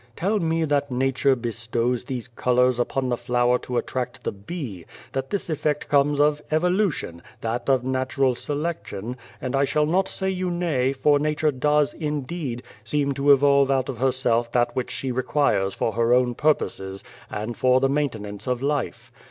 Tell me that Nature bestows those colours upon the flower to attract the bee, that this effect comes of Evolution, that of Natural Selection, and I shall not say you nay, for Nature does> indeed, seem to evolve out of herself that which she requires for her own purposes and for the maintenance of life.